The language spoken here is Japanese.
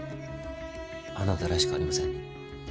あなたらしくありません。